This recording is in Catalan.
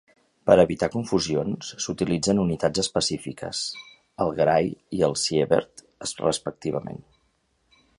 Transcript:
Per evitar confusions s'utilitzen unitats específiques, el gray i el sievert respectivament.